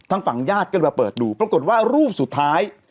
ทางฝั่งญาติก็เลยมาเปิดดูปรากฏว่ารูปสุดท้าย